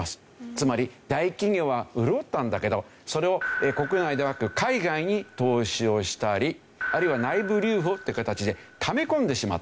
つまり大企業は潤ったんだけどそれを国内でなく海外に投資をしたりあるいは内部留保って形でため込んでしまって。